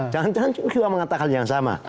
jangan jangan juga mengatakan yang sama